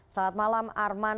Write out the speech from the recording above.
selamat malam arman